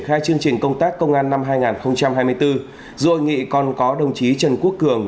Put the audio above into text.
khai chương trình công tác công an năm hai nghìn hai mươi bốn rồi nghị còn có đồng chí trần quốc cường